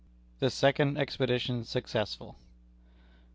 THE SECOND EXPEDITION SUCCESSFUL.